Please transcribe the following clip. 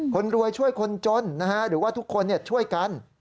คนรวยช่วยคนจนหรือว่าทุกคนช่วยกัน